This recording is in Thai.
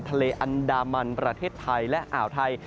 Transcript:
ทะเลอันดามันประเทศไทยและอ่าวไทย